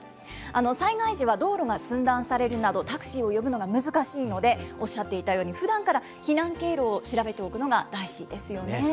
災害時は道路が寸断されるなど、タクシーを呼ぶのが難しいので、おっしゃっていたように、ふだんから避難経路を調べておくのが大事ですよね。